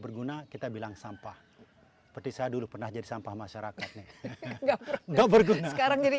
berguna kita bilang sampah petisah dulu pernah jadi sampah masyarakatnya nggak berguna sekarang jadi